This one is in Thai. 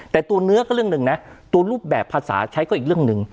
แต่ตัวเนื้อก็เรื่องหนึ่งนะตัวรูปแบบภาษาใช้ก็อีกเรื่องหนึ่ง